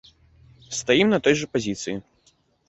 Стаім на той жа пазіцыі.